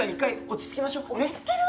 いや落ち着きましょう。